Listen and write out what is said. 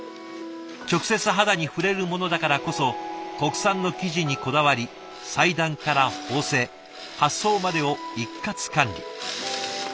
直接肌に触れるものだからこそ国産の生地にこだわり裁断から縫製発送までを一括管理。